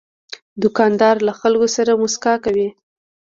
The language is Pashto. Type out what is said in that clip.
دوکاندار له خلکو سره مسکا کوي.